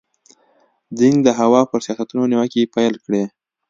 دینګ د هوا پر سیاستونو نیوکې پیل کړې.